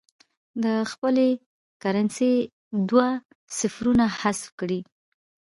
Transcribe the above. د خپلې کرنسۍ دوه صفرونه حذف کړي.